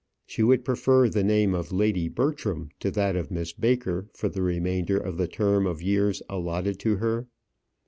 She would prefer the name of Lady Bertram to that of Miss Baker for the remainder of the term of years allotted to her.